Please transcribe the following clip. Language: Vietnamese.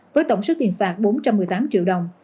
với tổng số tiền phạt bốn trăm một mươi tám triệu đồng